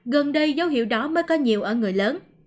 gần đây dấu hiệu đó mới có nhiều ở người lớn